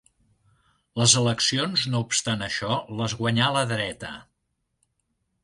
Les eleccions, no obstant això, les guanyà la dreta.